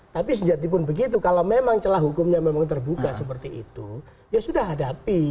tapi sejati pun begitu kalau memang celah hukumnya memang terbuka seperti itu ya sudah hadapi